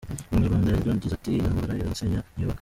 Umunyarwanda yaragize ati: « intambara irasenya ntiyubaka ».